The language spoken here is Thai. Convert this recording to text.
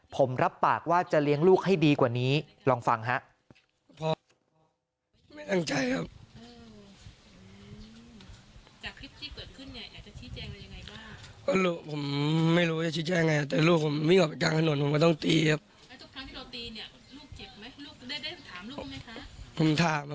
ผมรับปากว่าจะเลี้ยงลูกให้ดีกว่านี้ลองฟังฮะ